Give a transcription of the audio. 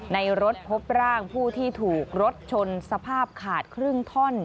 ในรถพบร่างผู้ที่ถูกรถชนสภาพขาดครึ่งท่อน